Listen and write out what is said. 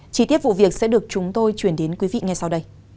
chí tiết vụ việc sẽ được chúng tôi chuyển đến quý vị ngay sau đây